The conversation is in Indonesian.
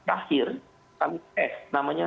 akhir kami tes namanya